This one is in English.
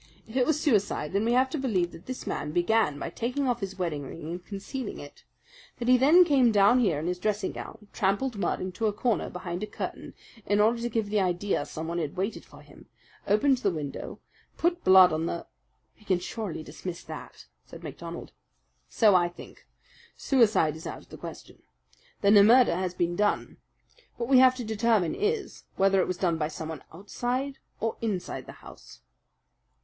If it were suicide, then we have to believe that this man began by taking off his wedding ring and concealing it; that he then came down here in his dressing gown, trampled mud into a corner behind the curtain in order to give the idea someone had waited for him, opened the window, put blood on the " "We can surely dismiss that," said MacDonald. "So I think. Suicide is out of the question. Then a murder has been done. What we have to determine is, whether it was done by someone outside or inside the house."